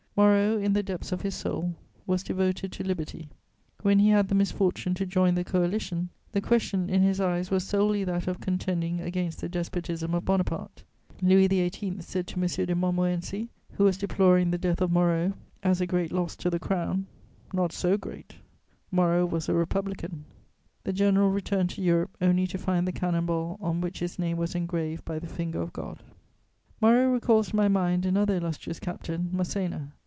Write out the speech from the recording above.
Moreau, in the depths of his soul, was devoted to liberty; when he had the misfortune to join the Coalition, the question in his eyes was solely that of contending against the despotism of Bonaparte. Louis XVIII. said to M. de Montmorency, who was deploring the death of Moreau as a great loss to the Crown: "Not so great: Moreau was a Republican." The general returned to Europe only to find the cannon ball on which his name was engraved by the finger of God. Moreau recalls to my mind another illustrious captain, Masséna.